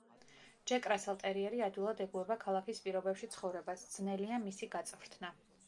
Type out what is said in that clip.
ჯეკ რასელ ტერიერი ადვილად ეგუება ქალაქის პირობებში ცხოვრებას, ძნელია მისი გაწვრთნა.